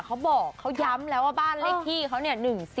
เขาบอกเขาย้ำแล้วว่าบ้านเลขที่เขาเนี่ย๑๔